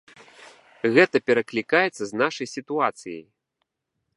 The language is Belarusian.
Гэта пераклікаецца з нашай сітуацыяй.